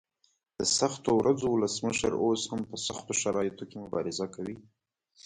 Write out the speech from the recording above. د سختو ورځو ولسمشر اوس هم په سختو شرایطو کې مبارزه کوي.